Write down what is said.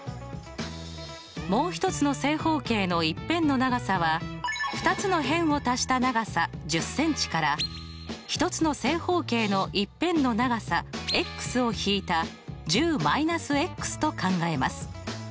もう１つの正方形の１辺の長さは２つの辺を足した長さ１０ｃｍから１つの正方形の１辺の長さを引いた１０−と考えます。